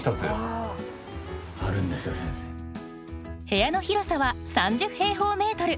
部屋の広さは３０平方メートル。